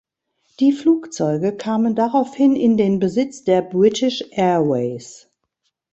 Die Flugzeuge kamen daraufhin in den Besitz der British Airways.